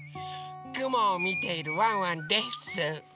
くもをみているワンワンです。